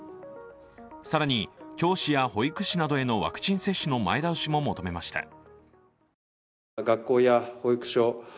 更に、教師や保育士などへのワクチン接種の前倒しも求めました。